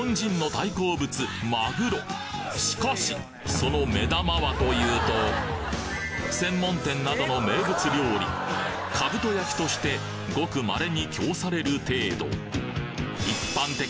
その目玉はというと専門店などの名物料理としてごく稀に供される程度